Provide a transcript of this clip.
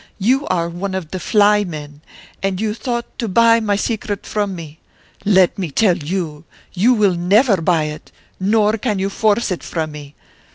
"You are one of the 'fly' men, and you thought to buy my secret from me. Let me tell you, you will never buy it, nor can you force it from me!